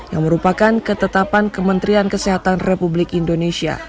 yang merupakan ketetapan kementerian kesehatan republik indonesia